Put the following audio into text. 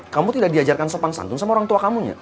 kamu tidak diajarkan sopang santun sama orang tua kamu ya